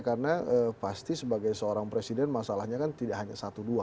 karena pasti sebagai seorang presiden masalahnya kan tidak hanya satu dua